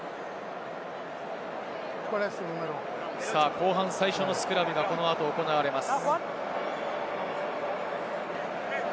後半、最初のスクラムが行われます。